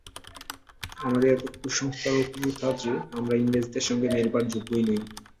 আমাদের এত কুসংস্কার ও কুপ্রথা যে, আমরা ইংরেজের সঙ্গে মেলবার যোগ্যই নই।